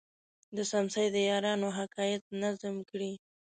د څمڅې د یارانو حکایت نظم کړی.